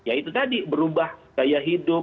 kita harus berubah gaya hidup